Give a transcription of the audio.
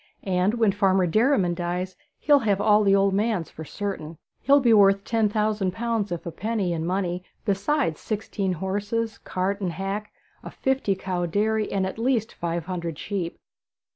And when Farmer Derriman dies, he'll have all the old man's, for certain. He'll be worth ten thousand pounds, if a penny, in money, besides sixteen horses, cart and hack, a fifty cow dairy, and at least five hundred sheep.'